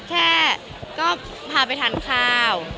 แค่ก็พาไปทานข้าว